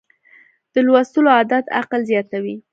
د لوستلو عادت عقل زیاتوي.